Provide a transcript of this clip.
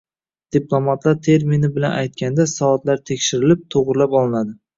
Diplomatlar termini bilan aytganda, soatlar tekshirilib, toʻgʻrilab olinadi.